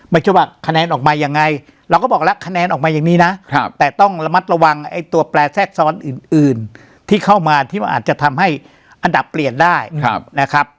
ไม่ใช่ว่าคะแนนออกมายังไงเราก็บอกแล้วคะแนนออกมาอย่างนี้นะแต่ต้องระมัดระวังไอ้ตัวแปลแทรกซ้อนอื่นที่เข้ามาที่มันอาจจะทำให้อันดับเปลี่ยนได้นะครับ